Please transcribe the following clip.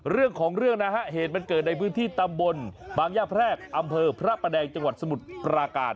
เรื่องของเรื่องนะฮะเหตุมันเกิดในพื้นที่ตำบลบางย่าแพรกอำเภอพระประแดงจังหวัดสมุทรปราการ